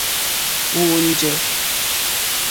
Wɔ́ɔ̂ njɛ̂.